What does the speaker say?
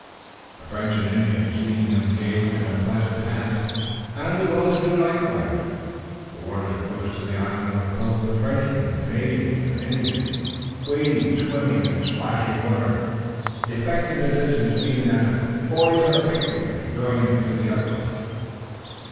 The French and Indians, seeing them engaged in a pleasant task, found it well to do likewise. The waters close to the island were filled with Frenchmen, Canadians and Indians, wading, swimming and splashing water, the effect in the distance being that of boys on a picnic and enjoying it to the utmost.